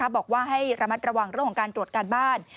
บอกว่าให้ระมัดระวังเรื่องของการตรวจการบ้าน